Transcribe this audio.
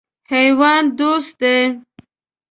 حیوان دوست دی.